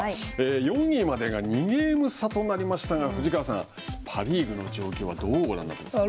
４位までが２ゲーム差となりましたが、藤川さん、パ・リーグの状況はどうご覧になっていますか。